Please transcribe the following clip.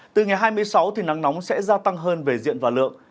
từ ngày hai mươi sáu thì nắng nóng sẽ gia tăng hơn về diện và lượng